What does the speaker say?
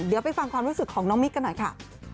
เดี๋ยวไปฟังความรู้สึกของน้องมิ๊กกันหน่อยค่ะ